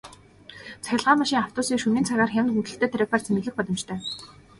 Цахилгаан машин, автобусыг шөнийн цагаар хямд хөнгөлөлттэй тарифаар цэнэглэх боломжтой.